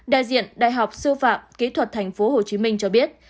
đại diện đại học sư phạm kỹ thuật tp hồ chí minh cho biết